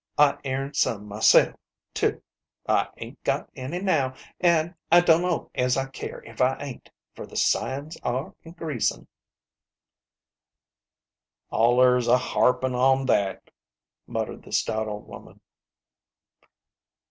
I aimed some myself, too. I 'ain't got any now, an' I dunno as I care if I ain't, fer the signs are increasing" " Allers a harpin' on that," muttered the stout old woman.